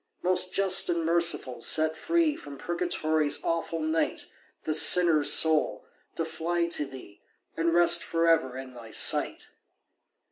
"Most Just and Merciful, set free From Purgatory's awful night This sinner's soul, to fly to Thee, And rest for ever in Thy sight."